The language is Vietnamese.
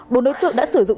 bốn đối tượng đã sử dụng hút